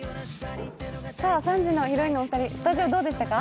３時のヒロインのお二人、スタジオどうでしたか？